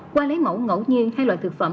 qua lấy mẫu ngẫu nhiên hai loại thực phẩm